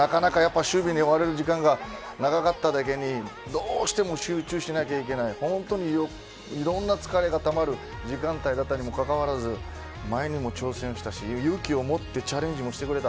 守備に回る時間が長かっただけに集中しなきゃいけなくていろんな疲れがたまる時間帯だったにもかかわらず前にも挑戦したし、勇気を持ってチャレンジしてくれた。